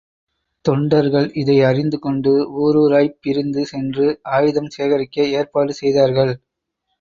தொண்டர்கள் இதை அறிந்து கொண்டு, ஊரூராய்ப் பிரிந்து சென்று ஆயுதம் சேகரிக்க ஏற்பாடு செய்தார்கள்.